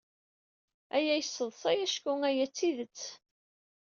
Aya yesseḍsay acku aya d tidet.